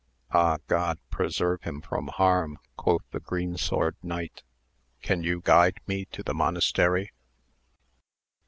Ah God, preserve him from harm ! quoth the Green Sword Knight, can you guide me to the monastery